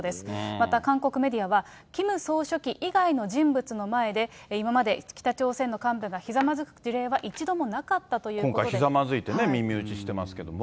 また韓国メディアは、キム総書記以外の人物の前で、今まで北朝鮮の幹部がひざまずく事例は今まで一度もなかったとい今回、ひざまずいて耳打ちしてますけども。